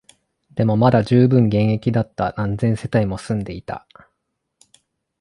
でも、まだ充分現役だった、何千世帯も住んでいた